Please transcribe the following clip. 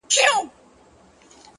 هره تجربه د انسان شکل بیا جوړوي.!